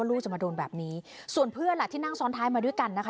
ลูกจะมาโดนแบบนี้ส่วนเพื่อนล่ะที่นั่งซ้อนท้ายมาด้วยกันนะคะ